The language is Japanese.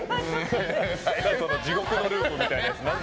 その地獄のループみたいなやつなん